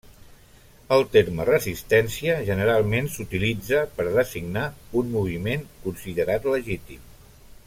El terme resistència generalment s'utilitza per designar un moviment considerat legítim.